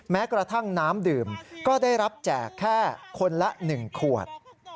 แม้กระทั่งน้ำดื่มก็ได้รับแจกแค่คนละ๑ขวด